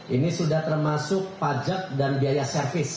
ini sudah termasuk pajak dan biaya servis